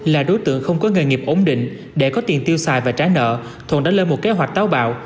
là đối tượng không có nghề nghiệp ổn định để có tiền tiêu xài và trả nợ thuận đã lên một kế hoạch táo bạo